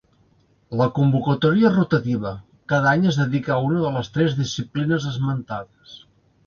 La convocatòria és rotativa, cada any es dedica a una de les tres disciplines esmentades.